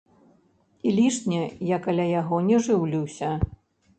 І лішне я каля яго не жыўлюся.